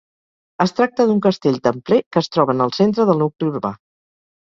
Es tracta d'un castell templer, que es troba en el centre del nucli urbà.